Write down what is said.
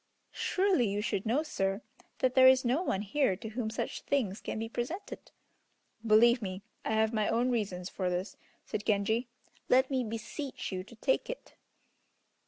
"Surely you should know, sir, that there is no one here to whom such things can be presented!" "Believe me, I have my own reasons for this," said Genji. "Let me beseech you to take it."